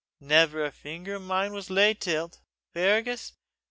"Never a finger o' mine was laid till 't, Fergus.